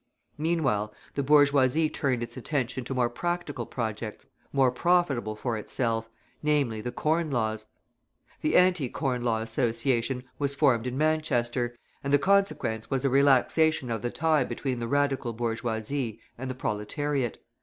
Meanwhile the bourgeoisie turned its attention to more practical projects, more profitable for itself, namely the Corn Laws. The Anti Corn Law Association was formed in Manchester, and the consequence was a relaxation of the tie between the Radical bourgeoisie and the proletariat.